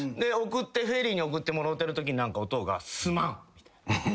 フェリーに送ってもろうてるときに何かおとうが「すまん」みたいな。